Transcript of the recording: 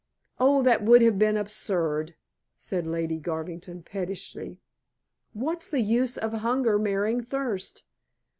"Oh, that would have been absurd," said Lady Garvington pettishly. "What's the use of Hunger marrying Thirst?